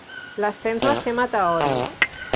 L'ascens va ser meteòric.